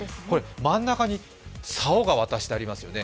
真ん中にさおが渡してありますよね。